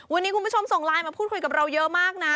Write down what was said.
วันนี้คุณผู้ชมส่งไลน์มาพูดคุยกับเราเยอะมากนะ